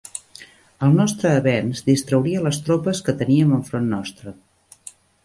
El nostre avenç distrauria les tropes que teníem enfront nostre.